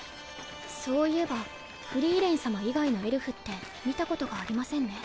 そういえばフリーレン様以外のエルフって見たことがありませんね。